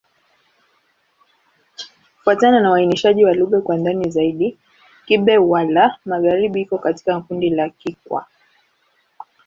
Kufuatana na uainishaji wa lugha kwa ndani zaidi, Kigbe-Xwla-Magharibi iko katika kundi la Kikwa.